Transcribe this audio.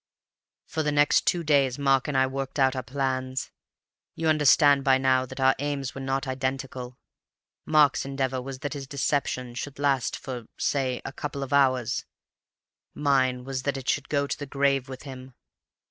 "For the next two days Mark and I worked out our plans. You understand by now that our aims were not identical. Mark's endeavour was that his deception should last for, say, a couple of hours; mine that it should go to the grave with him.